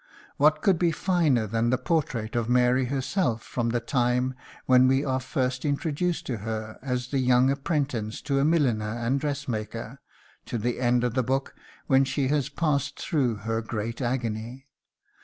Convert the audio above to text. What could be finer than the portrait of Mary herself, from the time when we are first introduced to her as the young apprentice to a milliner and dressmaker, to the end of the book, when she has passed through her great agony?